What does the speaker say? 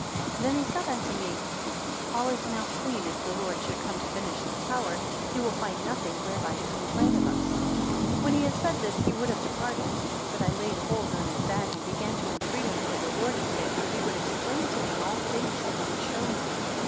90 Then he said unto me, All is now clean if the Lord should come to finish the tower, he will find nothing whereby to complain of us. 91 When he had said this he would have departed. But I laid hold on his bag, and began to entreat him for the Lord's sake, that he would explain to me all things that he had shown me.